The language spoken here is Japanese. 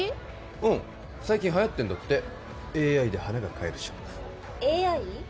うん最近はやってんだってＡＩで花が買えるショップＡＩ？